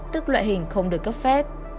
tức loại hình không được cấp phép